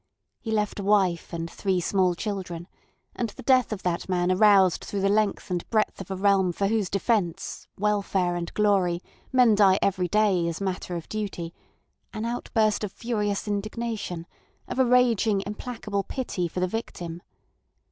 He left a wife and three small children, and the death of that man aroused through the length and breadth of a realm for whose defence, welfare, and glory men die every day as matter of duty, an outburst of furious indignation, of a raging implacable pity for the victim.